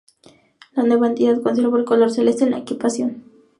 La nueva entidad conservó el color celeste en la equipación.